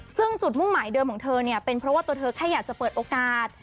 ซึ่งจุดมุ่งหมายเดิมของเธอเนี่ยเป็นเพราะว่าตัวเธอแค่อยากจะเปิดโอกาส